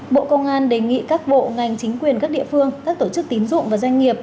bộ công an đề nghị các bộ ngành chính quyền các địa phương các tổ chức tín dụng và doanh nghiệp